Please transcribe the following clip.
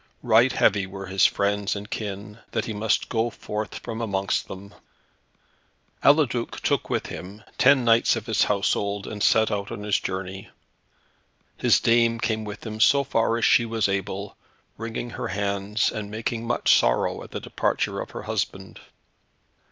Right heavy were his friends and kin, that he must go forth from amongst them. Eliduc took with him ten knights of his household, and set out on his journey. His dame came with him so far as she was able, wringing her hands, and making much sorrow, at the departure of her husband.